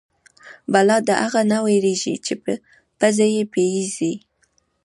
بلا د اغه نه وېرېږي چې پزه يې بيېږي.